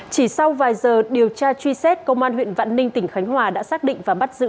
chỉ sau vài giờ điều tra truy xét công an huyện vạn ninh tỉnh khánh hòa đã xác định và bắt giữ